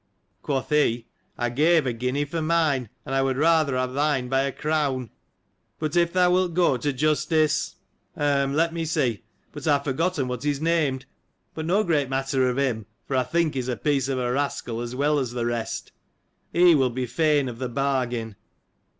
Quoth he, I gave a guinea for mine, and I would rather have thine by a crown ; but, if thou wilt go to Justice —(— hum — let me see —; but I have forgotten what he's named ;— but no great matter of him ! for I think he's a piece of a rascal, as well as the rest) he will be fain of the bargain.